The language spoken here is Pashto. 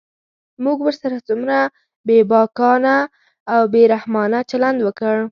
موږ ورسره څومره بېباکانه او بې رحمانه چلند وکړ.